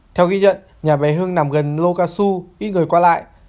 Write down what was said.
theo ghi nhận nhà bé hưng nằm gần lô ca xu ít người qua lại